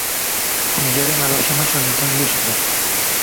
Ao mellor é unha loxa masónica medio secreta.